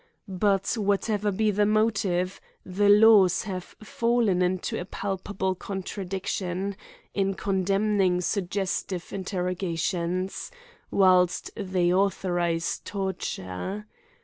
But whatever be the motive, the laws have fallen ipto a palpable contradiction, in condemning suggestive interrogations, whilst they authorise torture.